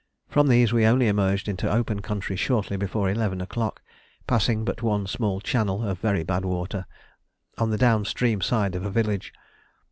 From these we only emerged into open country shortly before eleven o'clock, passing but one small channel of very bad water on the down stream side of a village.